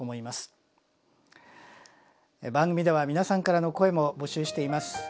番組では皆さんからの声も募集しています。